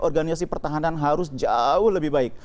organisasi pertahanan harus jauh lebih baik